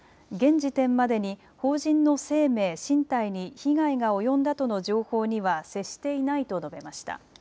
現時点までに邦人の生命、身体に被害が及んだとの情報には接していないと述べました。